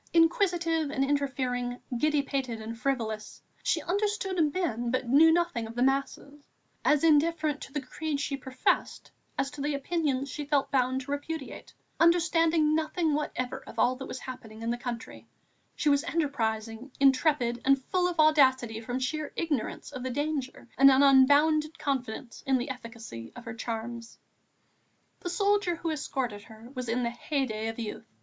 Inquisitive and interfering, giddy pated and frivolous, she understood men but knew nothing of the masses; as indifferent to the creed she professed as to the opinions she felt bound to repudiate, understanding nothing whatever of all that was happening in the country, she was enterprising, intrepid, and full of audacity from sheer ignorance of danger and an unbounded confidence in the efficacy of her charms. The soldier who escorted her was in the heyday of youth.